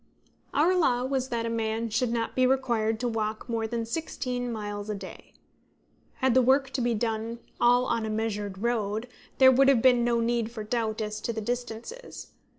Our law was that a man should not be required to walk more than sixteen miles a day. Had the work to be done been all on a measured road, there would have been no need for doubt as to the distances.